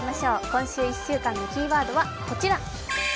今週１週間のキーワードはこちら。